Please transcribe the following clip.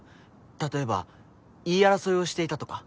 例えば言い争いをしていたとか。